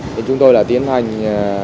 thì chúng tôi là tiến hành